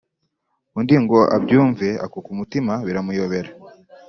undi ngo abyumve akuka umutima biramuyobera